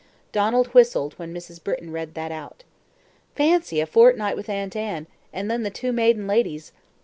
Donald whistled when Mrs. Britton read that out. "Fancy a fortnight with Aunt Anne, and then the two maiden ladies.